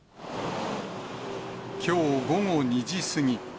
きょう午後２時過ぎ。